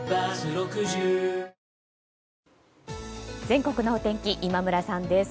全国の天気今村さんです。